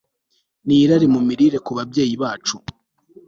ni rari mu mirire Ku babyeyi bacu